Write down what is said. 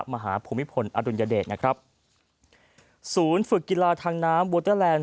ภูมิพลอดุลยเดชนะครับศูนย์ฝึกกีฬาทางน้ำโวเตอร์แลนด